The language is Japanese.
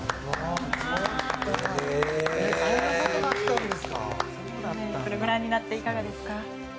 ご覧になっていかがですか？